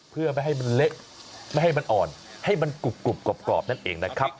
เพื่อไม่ให้มันเละไม่ให้มันอ่อนให้มันกรุบกรอบนั่นเองนะครับ